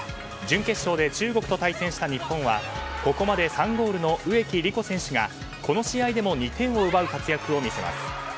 準決勝で中国と対戦した日本はここまで３ゴールの植木理子選手が、この試合でも２点を奪う活躍を見せます。